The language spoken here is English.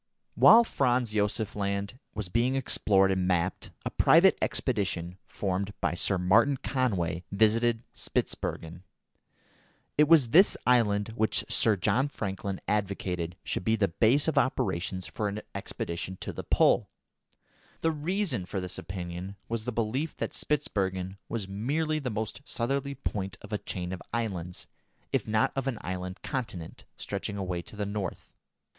While Franz Josef Land was being explored and mapped, a private expedition formed by Sir Martin Conway visited Spitzbergen. It was this island which Sir John Franklin advocated should be the base of operations for an expedition to the Pole. The reason for this opinion was the belief that Spitzbergen was merely the most southerly point of a chain of islands, if not of an island continent, stretching away to the north.